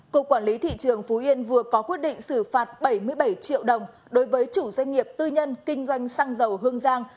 cục quản lý thị trường phú yên vừa có quyết định xử phạt bảy mươi bảy triệu đồng đối với chủ doanh nghiệp tư nhân kinh doanh xăng dầu hương giang